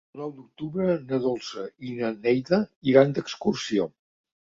El nou d'octubre na Dolça i na Neida iran d'excursió.